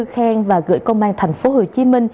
khen và gửi công an tp hcm